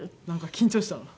なんか緊張した。